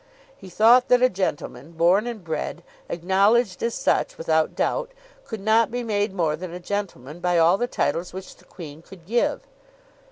He thought that a gentleman, born and bred, acknowledged as such without doubt, could not be made more than a gentleman by all the titles which the Queen could give.